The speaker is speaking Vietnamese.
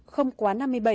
không quá năm mươi bảy